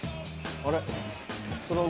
あれ？